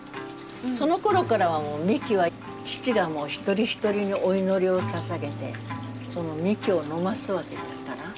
そのころからはみきは父がもう一人一人にお祈りをささげてみきを飲ますわけですから。